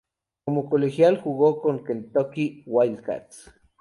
Como colegial jugo con Kentucky Wildcats.